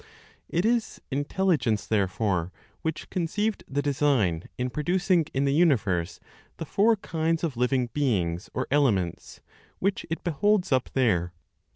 It is (intelligence), therefore, which conceived the design in producing in the universe the four kinds of living beings (or elements), which it beholds up there.